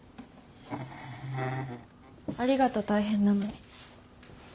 ありがと大変なのに。